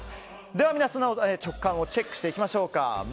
では、皆さんの直感をチェックしていきましょうか。